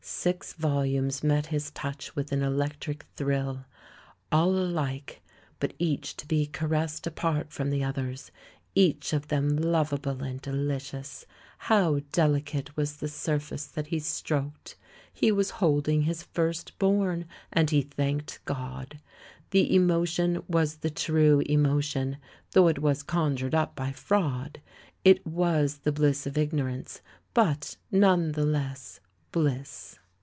Six volumes met his touch with an electric thrill — all alike, but each to be caressed apart from the others, each of them lovable and delicious. How deli cate was the surface that he stroked! He was holding his firstborn — and he thanked God. The emotion was the true emotion, though it was con jured up by fraud; it was the bliss of ignorance, but, none the less, bliss.